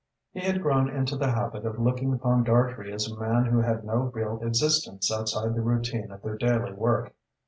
He had grown into the habit of looking upon Dartrey as a man who had no real existence outside the routine of their daily work.